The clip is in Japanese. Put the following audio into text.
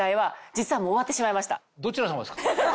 どちら様ですか？